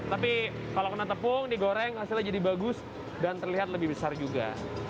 tapi kalau kena tepung digoreng hasilnya jadi bagus dan terlihat lebih besar juga